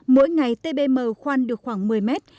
mỗi ngày tbm khoan được khoảng một mươi mét